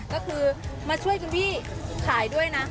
ก็คือมาช่วยคุณพี่ขายด้วยนะ